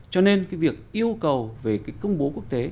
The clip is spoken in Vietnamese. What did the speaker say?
cho nên cái việc yêu cầu về cái công bố quốc tế